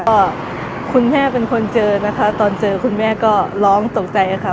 ก็คุณแม่เป็นคนเจอนะคะตอนเจอคุณแม่ก็ร้องตกใจค่ะ